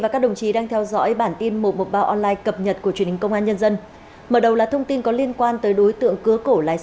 cảm ơn các bạn đã theo dõi